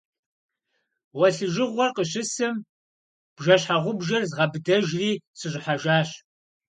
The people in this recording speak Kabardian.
Гъуэлъыжыгъуэр къыщысым, бжэщхьэгъубжэр згъэбыдэжри сыщӏыхьэжащ.